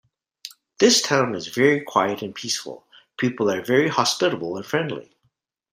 This town is very quiet and peaceful, people are very hospitable and friendly.